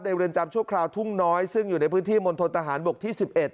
เรือนจำชั่วคราวทุ่งน้อยซึ่งอยู่ในพื้นที่มณฑนทหารบกที่๑๑